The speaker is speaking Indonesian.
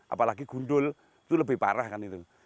apalagi gundul itu lebih parah kan itu